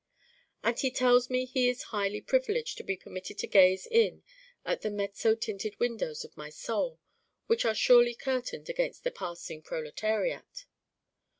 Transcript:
And he tells me he is highly privileged to be permitted to gaze in at the mezzo tinted windows of my soul, which are surely curtained against the passing proletariat.